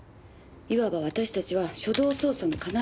いわば私たちは初動捜査の要。